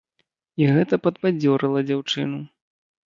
І гэта падбадзёрыла дзяўчыну.